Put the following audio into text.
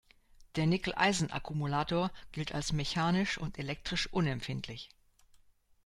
Der Nickel-Eisen-Akkumulator gilt als mechanisch und elektrisch unempfindlich.